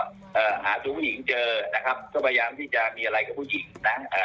หรือผู้หญิงเจอนะครับก็พยายามที่จะมีอะไรกับผู้หญิงนะ